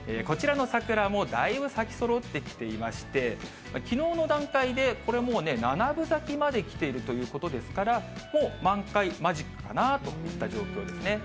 こちらの桜もだいぶ咲きそろってきていまして、きのうの段階で、これもうね、７分咲きまできているということですから、もう満開間近かなといった状況ですね。